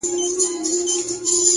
د لرې غږونو ګډوالی د ښار ژوند جوړوي!.